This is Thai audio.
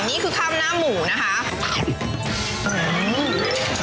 นี่คือข้าวหน้าหมูนะคะ